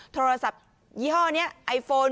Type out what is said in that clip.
โทรศัพท์ยี่ห้อนี้ไอโฟน